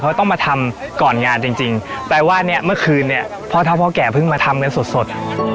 เขาต้องมาทำก่อนงานจริงจริงแปลว่าเนี่ยเมื่อคืนเนี่ยพ่อเท่าพ่อแก่เพิ่งมาทำกันสดสด